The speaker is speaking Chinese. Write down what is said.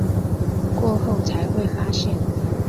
过后才会发现